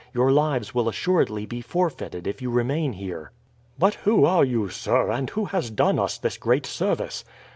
Your lives will assuredly be forfeited if you remain here." "But who are you, sir, who has done us this great service?"